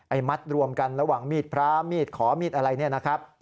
มัดรวมกันระหว่างมีดพระมีดขอมีดอะไรเนี่ยนะครับ